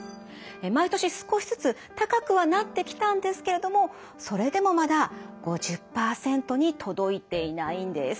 毎年少しずつ高くはなってきたんですけれどもそれでもまだ５０％に届いていないんです。